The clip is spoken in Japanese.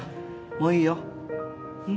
もういいよ。